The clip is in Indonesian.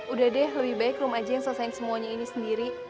udah deh lebih baik rumah aja yang selesai semuanya ini sendiri